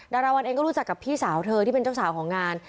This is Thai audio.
ดาราวันเองก็รู้จักกับพี่สาวเธอที่เป็นเจ้าสาวของงาน